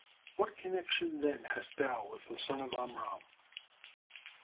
What connection then hast thou with the son of Amram?"